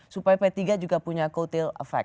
supaya p tiga juga punya co tail effect